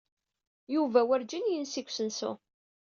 Yuba werǧin yensi deg usensu.